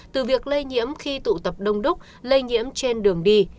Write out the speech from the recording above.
từ việc lây nhiễm khi tụ tập đông đúc lây nhiễm trên đường đi